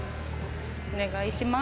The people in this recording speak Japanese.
お願いします。